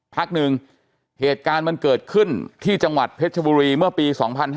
พักหนึ่งเหตุการณ์มันเกิดขึ้นที่จังหวัดเพชรบุรีเมื่อปี๒๕๕๙